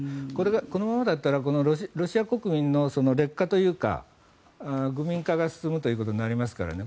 このままだったらロシア国民の劣化というか愚民化が進むということになりますからね。